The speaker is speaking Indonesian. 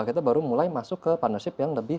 kita baru mulai masuk ke partnership yang lebih